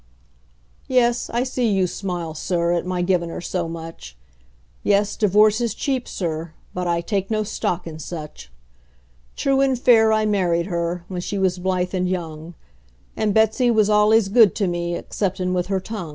Yes, I see you smile, Sir, at my givin' her so much; Yes, divorce is cheap, Sir, but I take no stock in such! True and fair I married her, when she was blithe and young; And Betsey was al'ays good to me, exceptin' with her tongue.